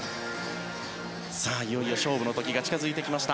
いよいよ勝負の時が近づいてきました。